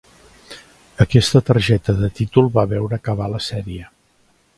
Aquesta targeta de títol va veure acabar la sèrie.